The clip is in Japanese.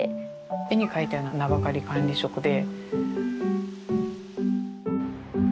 「絵に描いたような名ばかり管理職で」。